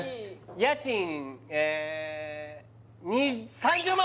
家賃ええ３０万